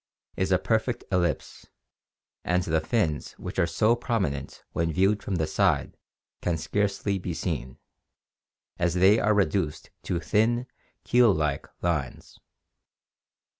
59) is a perfect ellipse, and the fins which are so prominent when viewed from the side can scarcely be seen, as they are reduced to thin keel like lines.